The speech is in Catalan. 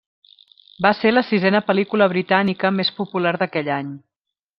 Va ser la sisena pel·lícula britànica més popular d'aquell any.